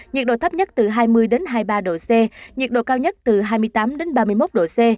nhiệt độ thấp nhất từ hai mươi hai mươi ba độ c nhiệt độ cao nhất từ hai mươi tám ba mươi một độ c